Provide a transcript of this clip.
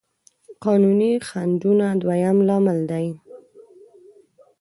قانوني خنډونه دويم لامل دی.